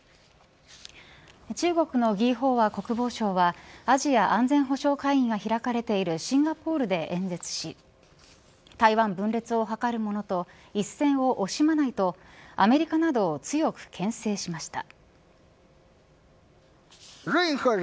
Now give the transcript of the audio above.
中国の魏鳳和国防省はアジア安全保障会議が開かれているシンガポールで演説し台湾分裂を図るものと一戦を惜しまないとアメリカなどを強くけん制しました。